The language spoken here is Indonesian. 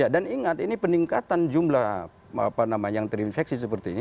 dan ingat ini peningkatan jumlah yang terinfeksi seperti ini